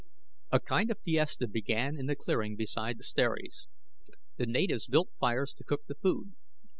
A kind of fiesta began in the clearing beside the Ceres. The natives built fires to cook the food.